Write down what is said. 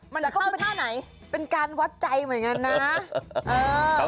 จะเข้าท่าไหนคุณเป็นการวัดใจเหมือนกันนะ